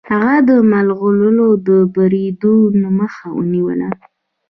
هغه د مغولو د بریدونو مخه ونیوله.